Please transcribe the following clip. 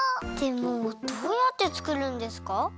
でもどうやってつくるんですか？